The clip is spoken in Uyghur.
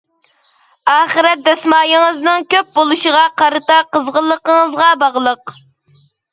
ئاخىرەت دەسمايىڭىزنىڭ كۆپ بولۇشىغا قارىتا قىزغىنلىقىڭىزغا باغلىق.